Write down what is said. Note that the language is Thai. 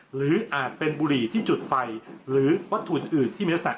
อาจเป็นบุหรี่ที่จุดไฟหรือวัตถุอื่นที่มีลักษณะ